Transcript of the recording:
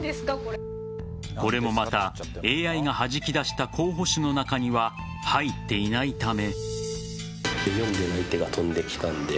これもまたＡＩがはじき出した候補手の中には入っていないため。